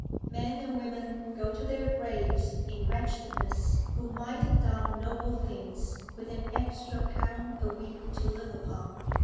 Men and women go to their graves in wretchedness who might have done noble things with an extra pound a week to live upon.